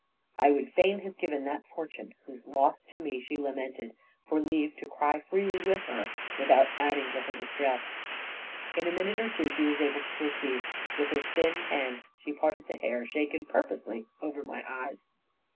I would fain have given that fortune, whose loss to me she lamented, for leave to cry freely with her, without adding to her distress. In a minute or two, she was able to proceed; with her thin hand she parted the hair shaken purposely over my eyes.